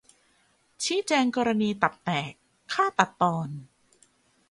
ชี้แจงกรณีตับแตก-ฆ่าตัดตอน